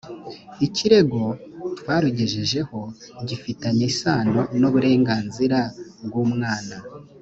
ikirego twarugejejeho gifitanye isano n’uburenganzira bw’umwana